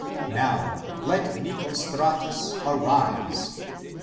Now let Nicostratus arise."